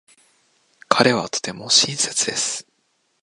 彼はとても親切です。